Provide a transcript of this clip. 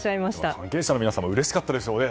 関係者の皆さんもうれしかったでしょうね。